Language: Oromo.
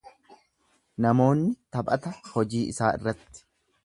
Namoonni taphata hojii isaa irratti.